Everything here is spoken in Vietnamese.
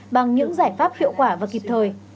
bằng những giải pháp hiệu quả và kịp thời